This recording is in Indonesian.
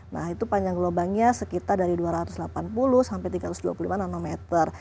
nah itu panjang gelombangnya sekitar dari dua ratus delapan puluh sampai tiga ratus dua puluh lima nanometer